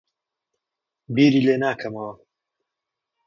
بیری لێ ناکەمەوە.